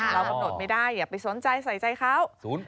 เรากำหนดไม่ได้อย่าไปสนใจใส่ใจเขา